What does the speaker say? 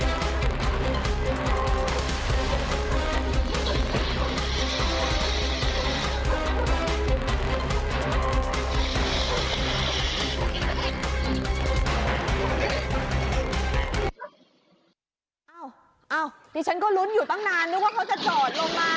อ้าวดิฉันก็ลุ้นอยู่ตั้งนานนึกว่าเขาจะจอดลงมา